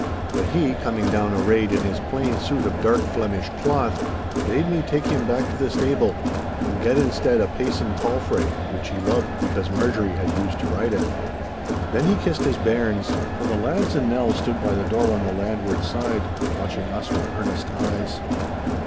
But he, coming down arrayed in his plain suit of dark Flemish cloth, bade me take him back to the stable and get instead a pacing palfrey, which he loved because Marjorie had used to ride it. Then he kissed his bairns, for the lads and Nell stood by the door on the landward side, watching us with earnest eyes.